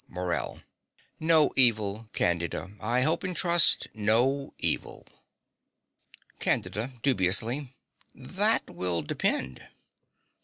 MORELL. No evil, Candida. I hope and trust, no evil. CANDIDA (dubiously). That will depend.